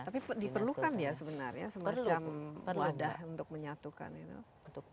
tapi diperlukan ya sebenarnya semacam wadah untuk menyatukan ini